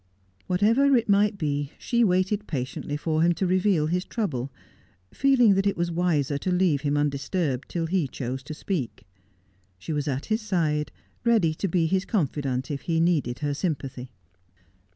Whatever it might be, she waited patiently for him to reveal his trouble, feeling that it was wiser to leave him undisturbed till he chose to speak. She was at his side, ready to be his confidant if he needed her sympathy.